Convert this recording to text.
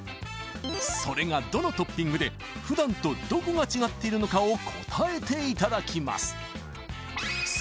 それがどのトッピングで普段とどこが違っているのかを答えていただきます